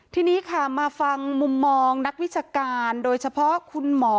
ทีนี้ค่ะมาฟังมุมมองนักวิชาการโดยเฉพาะคุณหมอ